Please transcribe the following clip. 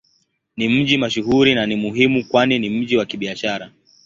Ni mji mashuhuri na ni muhimu kwani ni mji wa Kibiashara.